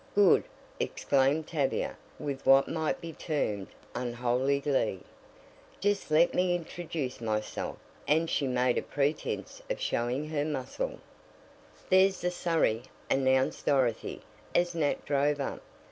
"Good!" exclaimed Tavia, with what might be termed "unholy glee." "Just let me introduce myself!" and she made a pretense of showing her muscle. "There's the surrey," announced Dorothy, as Nat drove up.